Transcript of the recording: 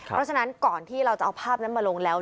เพราะฉะนั้นก่อนที่เราจะเอาภาพนั้นมาลงแล้ว